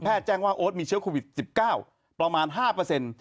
แพทย์แจ้งว่าโอ๊ดมีเชื้อโควิด๑๙ประมาณ๕